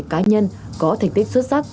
cá nhân có thành tích xuất sắc